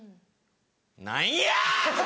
何や‼